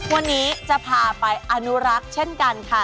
วันนี้จะพาไปอนุรักษ์เช่นกันค่ะ